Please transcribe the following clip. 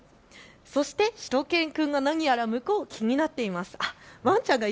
そして、しゅと犬くんが何やら向こうを気にしています。